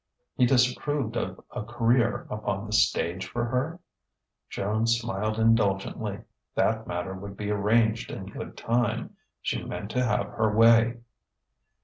He disapproved of a career upon the stage for her?... Joan smiled indulgently: that matter would be arranged in good time. She meant to have her way....